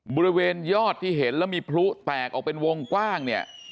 บริเวณยอดที่เห็นแล้วมีพลุแตกออกเป็นวงกว้างเนี่ย